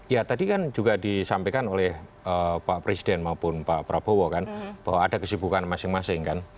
ya tadi kan juga disampaikan oleh pak presiden maupun pak prabowo kan bahwa ada kesibukan masing masing kan